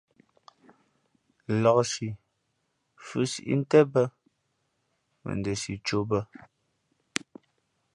Laksí fhʉ̄ siʼ ntén bᾱ, mα n ndα si cō bᾱ.